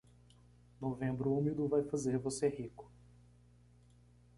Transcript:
Novembro úmido vai fazer você rico.